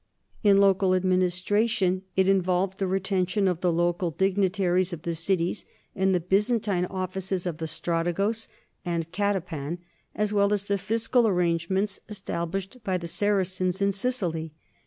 In local administration it involved the reten tion of the local dignitaries of the cities and the Byzan tine offices of the strategos and the catepan, as well as the fiscal arrangements established by the Saracens in Sicily.